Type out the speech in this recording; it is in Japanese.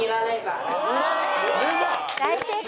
「大正解！」